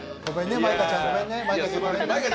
舞香ちゃん、ごめんね。